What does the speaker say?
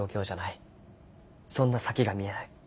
そんな先が見えない。